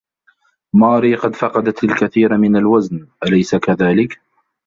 ماري قد فقدت الكثير من الوزن أليس كذلك؟